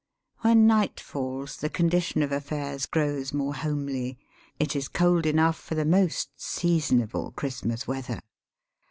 When night falls the condition of affairs grows more homely. It is cold enough for the most ^^ seasonable " Christmas weather.